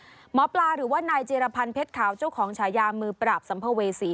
หมอปลาหรือว่านายจีรพันธ์เพชรขาวเจ้าของฉายามือปราบสัมภเวษี